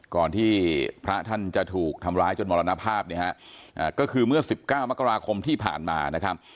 ก่อนที่พระท่านจะถูกทำร้ายจนมรณภาพเนี่ยฮะก็คือเมื่อ๑๙มกราคมที่ผ่านมานะครับ